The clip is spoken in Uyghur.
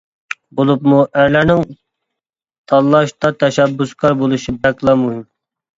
بولۇپمۇ ئەرلەرنىڭ تاللاشتا تەشەببۇسكار بولۇشى بەكلا مۇھىم.